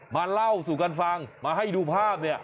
มาเล่าสู่กันฟังมาให้ดูภาพ